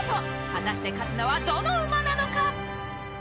果たして勝つのはどの馬なのか。